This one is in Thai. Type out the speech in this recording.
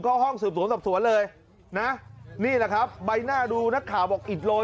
ห้องสืบสวนสอบสวนเลยนะนี่แหละครับใบหน้าดูนักข่าวบอกอิดโรย